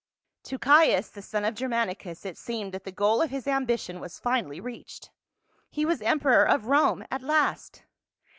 To Caius, the son of Germanicus, it seemed that the goal of his ambition was finally reached. He was emperor of Rome at last.